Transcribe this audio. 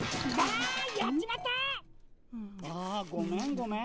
あごめんごめん。